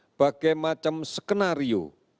berbagai macam skenario